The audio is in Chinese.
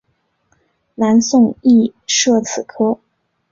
南宋亦设此科。